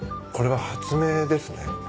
これは発明ですね。